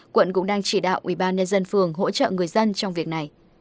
quận cũng đang chỉ đạo ubnd phường hỗ trợ người dân trong việc này